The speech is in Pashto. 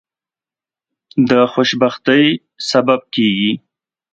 د خوشبختی سبب کیږي.